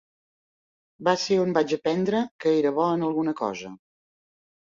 Va ser on vaig aprendre que era bo en alguna cosa.